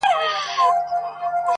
دودونه ژوند توره څېره کوي تل,